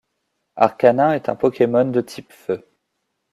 Arcanin est un Pokémon de type feu.